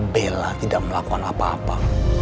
bela tidak melakukan apa apa